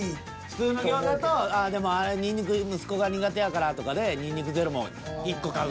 普通の餃子とでもにんにく息子が苦手やからとかでにんにくゼロも１個買う。